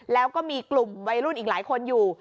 แล้วก็มีกลุ่มวัยรุ่นอีกหลายคนอยู่